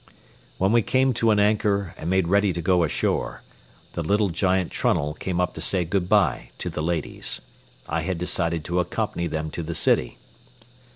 When we came to an anchor and made ready to go ashore, the little giant Trunnell came up to say good by to the ladies. I had decided to accompany them to the city.